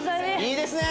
いいですね